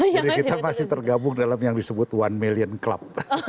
jadi kita masih tergabung dalam yang disebut one million club